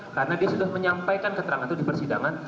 karena dia sudah menyampaikan keterangan itu di persidangan